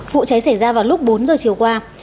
vụ cháy xảy ra vào lúc bốn giờ chiều qua